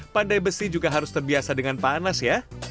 pandai besi juga harus terbiasa dengan panas ya